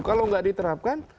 kalau enggak diterapkan